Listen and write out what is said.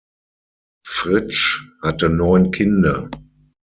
Fritsch hatte neun Kinder.